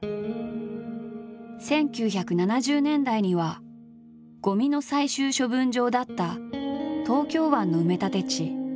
１９７０年代にはゴミの最終処分場だった東京湾の埋め立て地